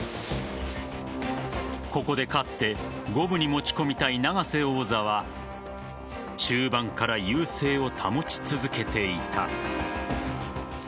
ここで勝って五分に持ち込みたい永瀬王座は中盤から優勢を保ち続けていた。